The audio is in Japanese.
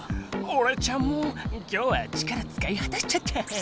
おれちゃんも今日は力つかいはたしちゃった。